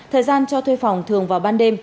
thời gian cho thuê phòng thường vào ban đêm